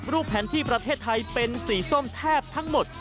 แผนที่ประเทศไทยเป็นสีส้มแทบทั้งหมด